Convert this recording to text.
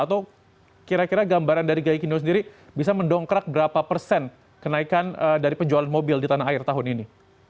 atau kira kira gambaran dari gaikindo sendiri bisa mendongkrak berapa persen kenaikan dari penjualan mobil di tanah air tahun ini